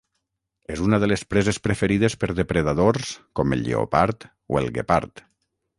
És una de les preses preferides per depredadors com el lleopard o el guepard.